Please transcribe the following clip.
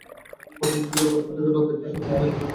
প্রথমটি ছিল ককপিট থেকে রাত একটা সাত মিনিটে পাঠানো একটি বার্তা।